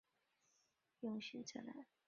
馆内还有关于中世纪和近现代的永久展览。